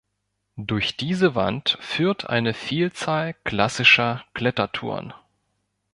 Durch diese Wand führt eine Vielzahl klassischer Klettertouren.